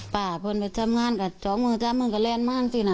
ป่าพวกมันไปทำงานกับช่องมือช่องมือกับแรนม่านสินะ